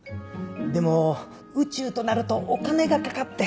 でも宇宙となるとお金がかかって。